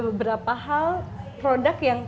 beberapa hal produk yang